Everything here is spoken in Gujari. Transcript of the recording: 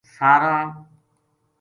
ساراں